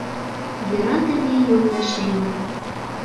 Йӧратыме йолташемын